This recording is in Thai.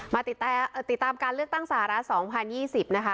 มาติดตามการเลือกตั้งสหรัฐสองพันยี่สิบนะคะ